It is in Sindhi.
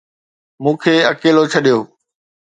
مون کي اڪيلو ڇڏيو